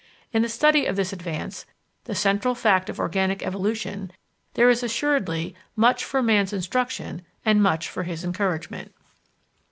In the study of this advance the central fact of Organic Evolution there is assuredly much for Man's instruction and much for his encouragement.